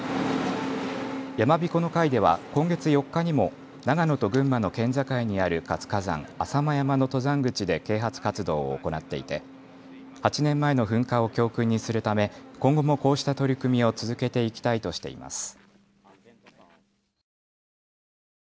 山びこの会では今月４日にも長野と群馬の県境にある活火山、浅間山の登山口で啓発活動を行っていて８年前の噴火を教訓にするため今後もこうした取り組みを続けていきたいとしています。